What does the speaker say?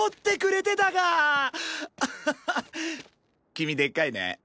君でっかいね。